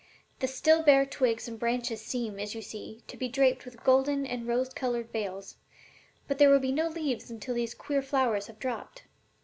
The still bare twigs and branches seem, as you see, to be draped with golden and rose colored veils, but there will be no leaves until these queer flowers have dropped.